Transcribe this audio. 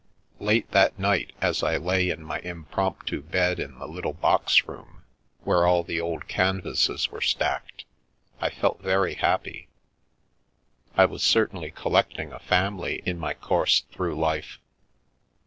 Late that night, as I lay in my impromptu bee the little box room where all the old canvases v stacked, I felt very happy. I was certainly collec a family in my course through life.